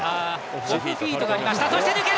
オフフィートがありました。